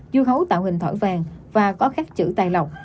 dư hấu tạo hình thổi vàng và có khắc chữ tài lọc